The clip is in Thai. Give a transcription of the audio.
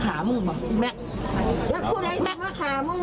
เห็นก็ไม่มีผู้ขามึง